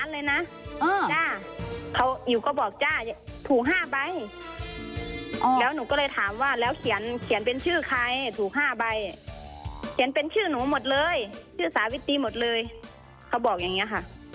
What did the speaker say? เลขชุด๕ใบเลยหรอ๓๐ล้านเลยนะ